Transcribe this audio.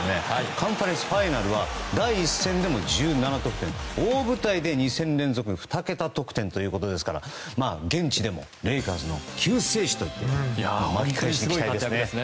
カンファレンス・ファイナルでは第１戦でも１７得点大舞台でも２桁得点ということですから現地でもレイカーズの救世主といって巻き返しに期待ですね。